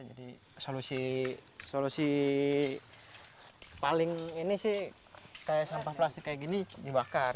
solusi paling ini sih kayak sampah plastik kayak gini dibakar